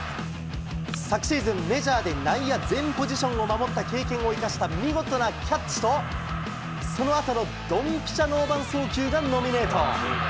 昨シーズン、メジャーで内野全ポジションを守った経験を生かした見事なキャッチと、そのあとのドンピシャノーバン送球がノミネート。